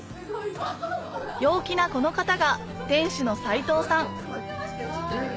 陽気なこの方が店主の齊藤さん